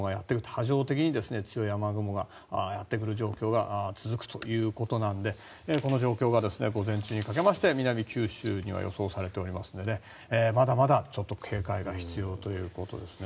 波状的に強い雨雲がやってくる状況が続くということなのでこの状況が午前中にかけて南九州には予想されておりますのでまだまだ警戒が必要ということですね。